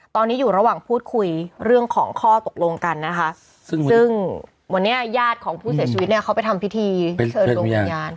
ตอนนี้อยู่ระหว่างพูดคุยเรื่องของข้อตกลงกันนะคะซึ่งวันนี้ญาติของผู้เสียชีวิตเนี่ยเขาไปทำพิธีเชิญดวงวิญญาณ